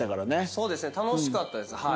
そうですね楽しかったですはい。